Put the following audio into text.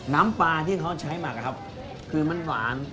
น้ำปลาที่เค้าใช้มาคือมันสวรรค์